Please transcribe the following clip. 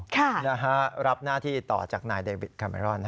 รับหน้าที่ต่อจากนายเดวิดคาเมรอน